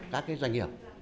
các cái doanh nghiệp